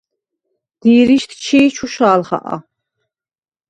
დი̄რიშდ ჩი̄ ჩუშა̄ლ ხაყა.